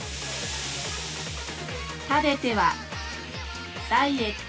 食べてはダイエット。